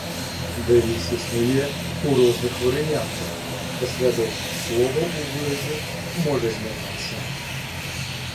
Дэвіз існуе ў розных варыянтах, паслядоўнасць словаў у выразе можа змяняцца.